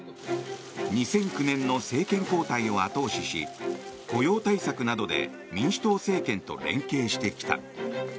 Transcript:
２００９年の政権交代を後押しし雇用対策などで民主党政権と連携してきた。